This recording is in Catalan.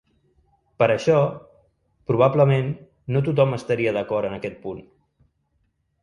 Per això, probablement, no tothom estaria d’acord en aquest punt.